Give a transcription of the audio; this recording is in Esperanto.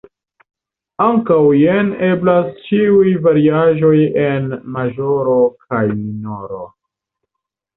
Ankaŭ jen eblas ĉiuj variaĵoj en maĵoro kaj minoro.